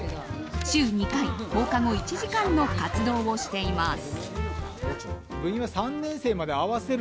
週２回放課後１時間の活動をしています。